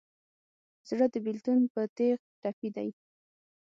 زړه د بېلتون په تیغ ټپي دی.